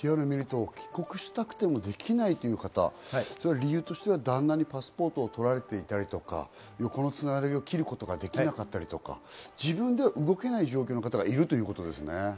理由としては旦那にパスポートを取られていたりとか横のつながりを切ることができなかったりとか自分では動けない状況の方がいるということですね。